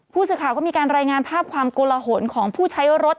ผู้สื่อข่าวก็มีการรายงานภาพความโกลหนของผู้ใช้รถ